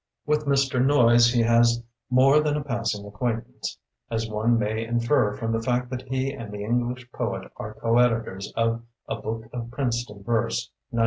With Mr. Noyes he has more than a passing acquaintance, as one may infer from the fact that he and the English poet are coeditors of "A Book of Princeton Verse" (1916).